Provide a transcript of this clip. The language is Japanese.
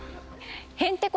へんてこ